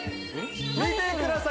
見てください